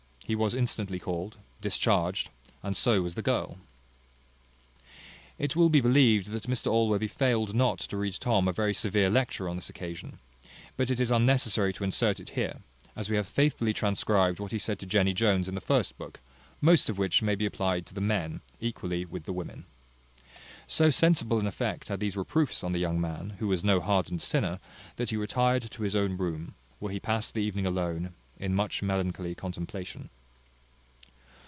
He was instantly called, discharged, and so was the girl. It will be believed that Mr Allworthy failed not to read Tom a very severe lecture on this occasion; but it is unnecessary to insert it here, as we have faithfully transcribed what he said to Jenny Jones in the first book, most of which may be applied to the men, equally with the women. So sensible an effect had these reproofs on the young man, who was no hardened sinner, that he retired to his own room, where he passed the evening alone, in much melancholy contemplation.